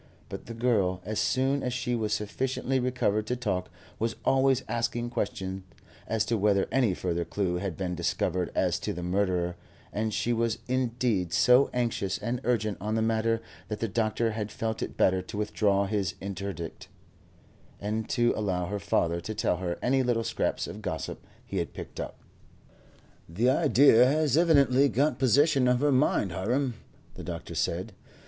But the girl, as soon as she was sufficiently recovered to talk, was always asking questions as to whether any further clue had been discovered as to the murderer, and she was indeed so anxious and urgent on the matter that the doctor had felt it better to withdraw his interdict, and to allow her father to tell her any little scraps of gossip he had picked up. "The idea has evidently got possession of her mind, Hiram," the doctor said.